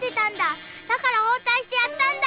だからホータイしてやったんだ。